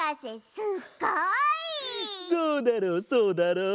そうだろうそうだろう。